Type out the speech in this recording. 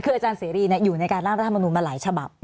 คืออาจารย์เศรีอยู่ในการร่ามพัฒนาบงุมมาหลายทราบ